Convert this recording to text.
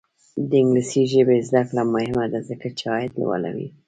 د انګلیسي ژبې زده کړه مهمه ده ځکه چې عاید لوړوي.